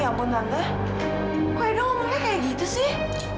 ya ampun tante kok edo ngomongnya kayak gitu sih